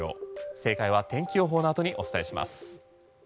正解は天気予報のあとにお伝えします。